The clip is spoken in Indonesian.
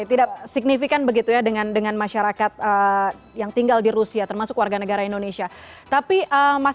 tidak signifikan begitu ya dengan politik itu